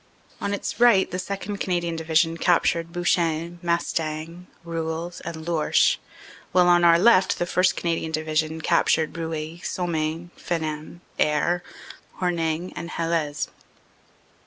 On its right the 2nd. Canadian Division captured Bouchain, Mastaing, Roeulx and Lourches, while on our left the 1st. Canadian Division captured Bruille, Somain, Fenam, Erre, Hornaing and Helesmes.